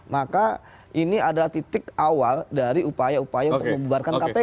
maka ini adalah titik awal dari upaya upaya untuk membubarkan kpk